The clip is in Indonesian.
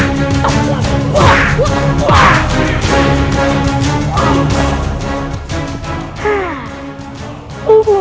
jangan lupa untuk berlangganan dan berlangganan